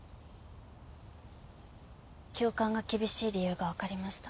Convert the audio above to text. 教官が厳しい理由が分かりました。